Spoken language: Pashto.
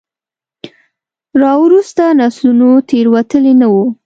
راوروسته نسلونو تېروتلي نه وو.